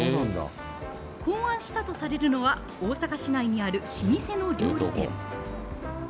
考案したとされるのは、大阪市内にある老舗の料理店。